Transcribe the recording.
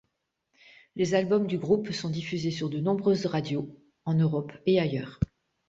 Les albums du groupe sont diffusés sur de nombreuses radios en Europe et ailleurs.